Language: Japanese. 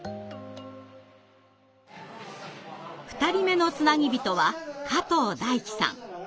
２人目のつなぎびとは加藤大貴さん。